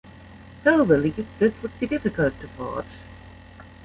Hill believed this would be difficult to forge.